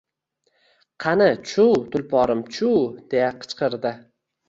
—Qani, chu, tulporim, chu, — deya qichqirdi.